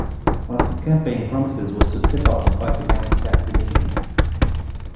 One of the campaign promises was to step up the fight against tax evasion.